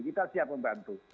kita siap membantu